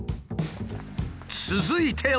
続いては。